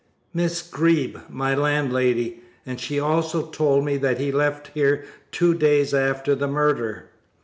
"Miss Greeb, my landlady, and she also told me that he left here two days after the murder."